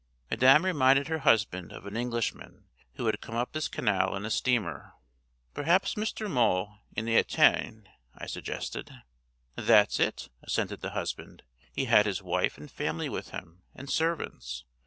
Madame reminded her husband of an Englishman who had come up this canal in a steamer. 'Perhaps Mr. Moens in the Ytene,' I suggested. 'That's it,' assented the husband. 'He had his wife and family with him, and servants.